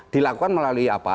dilakukan melalui apa